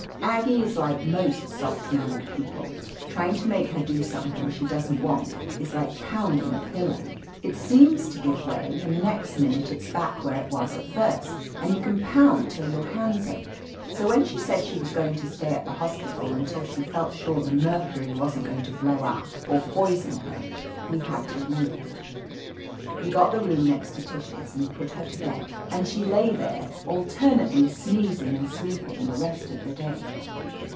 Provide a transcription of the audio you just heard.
Aggie is like most soft mannered people, trying to make her do something she doesn't want is like pounding a pillow. It SI \ THE AMAZING ADVENTXJTRES seems to give way, and the next minute it's back where it was at first, and you can pound till your hands ache. So when she said she was going to stay at the hospital imtil she felt sure the mercury wasn't going to blow up or poison her, we had to yield. We got the room next to Tish's and put her to bed, and she lay there alternately sneezing and sleeping the rest of the day.